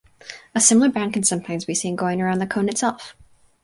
A similar band can sometimes be seen going around the cone itself.